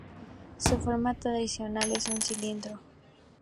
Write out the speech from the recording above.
Su forma tradicional es un cilindro.